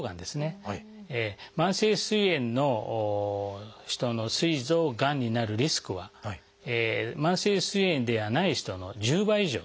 慢性すい炎の人のすい臓がんになるリスクは慢性すい炎ではない人の１０倍以上と。